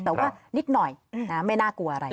แต่ว่านิดหน่อยไม่น่ากลัวอะไร